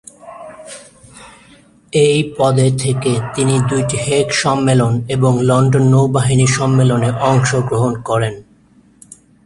এই পদে থেকে তিনি দুইটি হেগ সম্মেলন এবং লন্ডন নৌবাহিনী সম্মেলনে অংশগ্রহণ করেন।